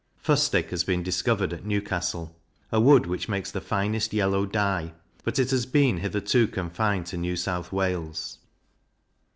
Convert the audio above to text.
Fustic has been discovered at Newcastle a wood which makes the finest yellow dye; but it has been hitherto confined to New South Wales.